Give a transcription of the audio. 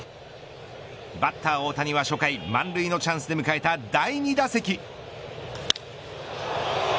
バッター大谷は初回満塁のチャンスで迎えた第２打席。